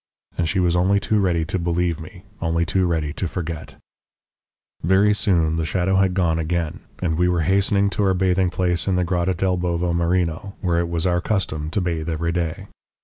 And she was only too ready to believe me, only too ready to forget. "Very soon the shadow had gone again, and we were hastening to our bathing place in the Grotta del Bovo Marino, where it was our custom to bathe every day.